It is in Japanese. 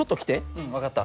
うん分かった。